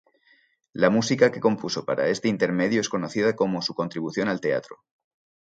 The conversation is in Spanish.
La música que compuso para este intermedio es conocida como su contribución al teatro.